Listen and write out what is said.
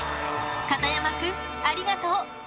片山くんありがとう！